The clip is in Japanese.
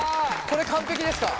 これ完璧ですか？